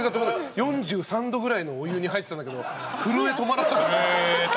４３度ぐらいのお湯に入ってたんだけど震えが止まらなかった。